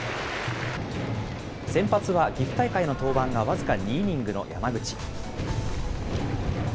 先発は岐阜大会の登板が僅か２イニングの山口。